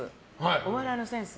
お笑いのセンス。